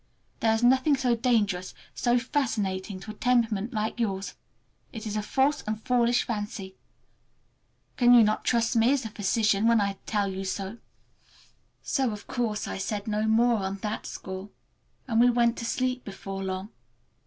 There is nothing so dangerous, so fascinating, to a temperament like yours. It is a false and foolish fancy. Can you not trust me as a physician when I tell you so?" So of course I said no more on that score, and we went to sleep before long.